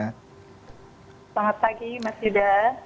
selamat pagi mas yuda